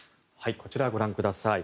こちらご覧ください。